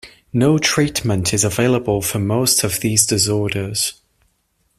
No treatment is available for most of these disorders.